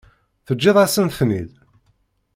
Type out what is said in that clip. Teǧǧiḍ-asent-ten-id?